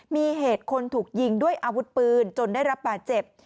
มีเหตุคนถูกยิงด้วยอาวุธปืนจนได้รับบาดเจ็บ